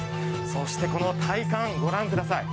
そしてこの体幹、御覧ください。